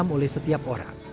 pembuatan penting dikenyapkan